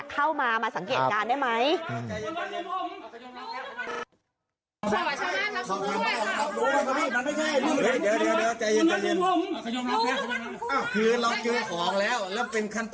ตามข้างก็ให้คนลุ้กค่ะ